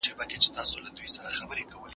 اگر وارث ویشتل نه وای کړي نو مرغۍ به ژوندۍ وه.